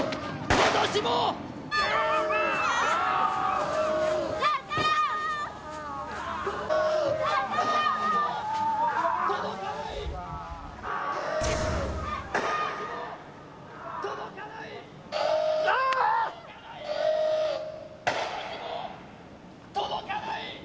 今年も届かない！